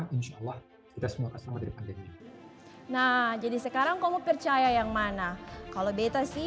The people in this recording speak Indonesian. insyaallah kita semua sama di pandemi nah jadi sekarang kamu percaya yang mana kalau beta sih